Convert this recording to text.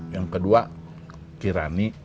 yang kedua kirani